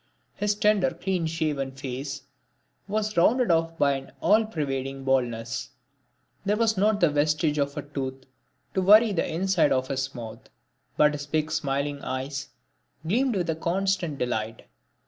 His tender clean shaven face was rounded off by an all pervading baldness; there was not the vestige of a tooth to worry the inside of his mouth; and his big smiling eyes gleamed with a constant delight.